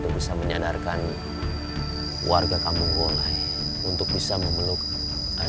terima kasih telah penonton